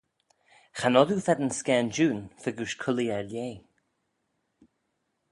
Cha nod oo feddyn scaanjoon fegooish cullee er-lheh.